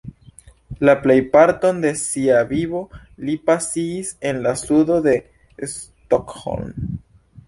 La plejparton de sia vivo li pasigis en la sudo de Stockholm.